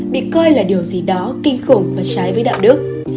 bị coi là điều gì đó kinh khủng và trái với đạo đức